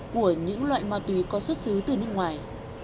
của những loại ma túy có xuất xứ từ nước ngoài